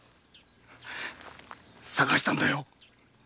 捜したんだよ。